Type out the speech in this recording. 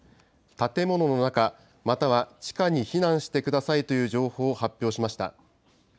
建物の中、または地下に避難してくださいという情報を発表しました。